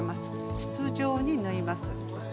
筒状に縫います。